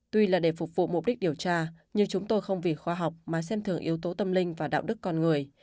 tuy là để phục vụ mục đích điều tra nhưng chúng tôi không vì khoa học mà xem thường yếu tố tâm linh và đạo đức con người